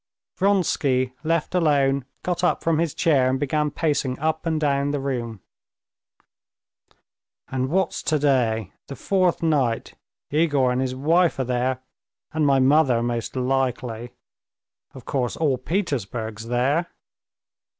Vronsky, left alone, got up from his chair and began pacing up and down the room. "And what's today? The fourth night.... Yegor and his wife are there, and my mother, most likely. Of course all Petersburg's there.